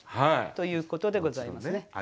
ということでございますね。